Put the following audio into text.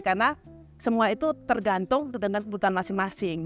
karena semua itu tergantung dengan kebutuhan masing masing